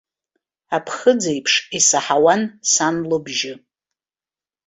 Аԥхыӡ еиԥш исаҳауан сан лыбжьы.